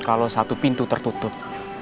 kalau satu pintu tertutup